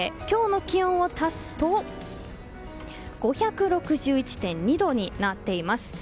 今日の気温を足すと５６１．２度になっています。